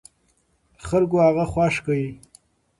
خلکو هغه خوښ کړ.